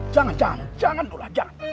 jangan jangan jangan jangan